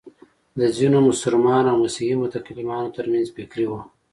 د ځینو مسلمانو او مسیحي متکلمانو تر منځ فکري وه.